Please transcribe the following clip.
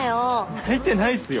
泣いてないっすよ。